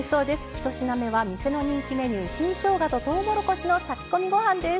１品目は店の人気メニュー新しょうがととうもろこしの炊き込みご飯です。